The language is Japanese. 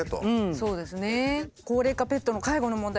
そうですね。